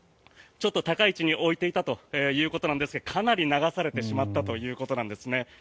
ちょっと高い位置に置いていたということなんですがかなり流されてしまったということなんですね。